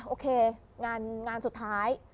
โอเคงานสุดท้าย